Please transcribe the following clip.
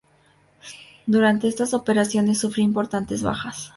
Durante estas operaciones sufrió importantes bajas.